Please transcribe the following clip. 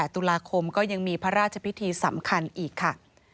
ตุลาคมก็ยังมีพระราชพิธีสำคัญอีกค่ะ